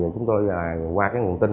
chúng tôi qua nguồn tin